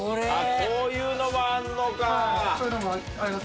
こういうのもあります。